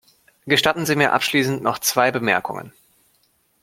Gestatten Sie mir abschließend noch zwei Bemerkungen.